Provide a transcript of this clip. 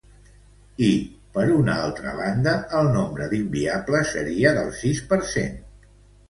I, per una altra banda, el nombre d’inviables seria del sis per cent.